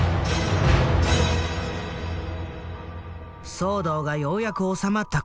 騒動がようやく収まった頃。